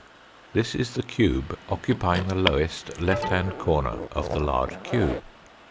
This is the cube occupying the lowest left hand corner of the large cube.